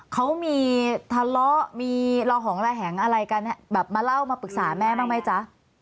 เขามีทะเลาะมีระหองระแหงอะไรกันแบบมาเล่ามาปรึกษาแม่บ้างไหมจ๊ะ